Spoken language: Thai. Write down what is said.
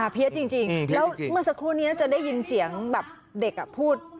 จริงแล้วเมื่อสักครู่นี้จะได้ยินเสียงแบบเด็กพูด